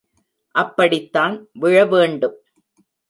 அப்படித்தான் விழ வேண்டும்.